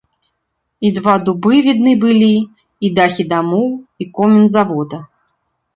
І два дубы відны былі, і дахі дамоў, і комін завода.